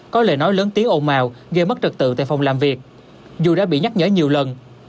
có lời nói lớn tiếng ồn ào gây mất trật tự tại phòng làm việc dù đã bị nhắc nhở nhiều lần